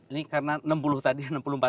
ini karena enam puluh tadi enam puluh empat puluh